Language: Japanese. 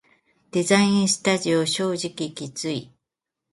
デザインスタジオ正直きつい